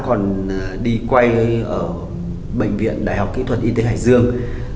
còn đi quay ở bệnh viện đại học kỹ thuật y tế hải dương